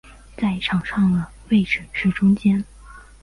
在场上的位置是中坚。